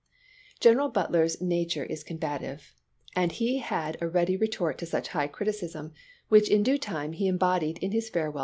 General Butler's nature is combative, and he had a ready retort to such high criticism, which, in due time, he embodied in his farewell address.'